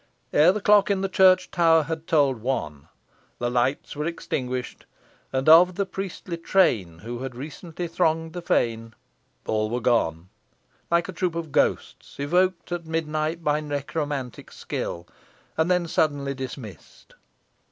Ere the clock in the church tower had tolled one, the lights were extinguished, and of the priestly train who had recently thronged the fane, all were gone, like a troop of ghosts evoked at midnight by necromantic skill, and then suddenly dismissed.